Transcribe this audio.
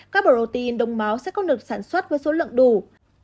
các protein đông máu sẽ có được sản xuất với số lượng đủ